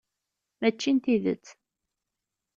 Mačči n tidet.